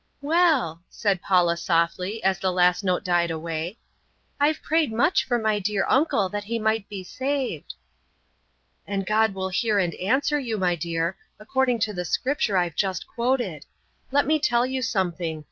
"Well," said Paula softly as the last note died away, "I've prayed much for my dear uncle that he might be saved." "And God will hear and answer you, my dear, according to the scripture I've just quoted. Let me tell you something.